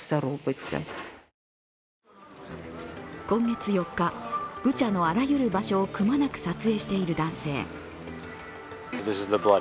今月４日、ブチャのあらゆる場所をくまなく撮影している男性。